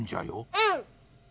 うん。